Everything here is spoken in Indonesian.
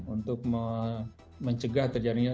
untuk mencegah terjadinya